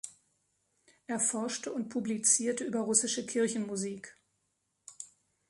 Er forschte und publizierte über russische Kirchenmusik.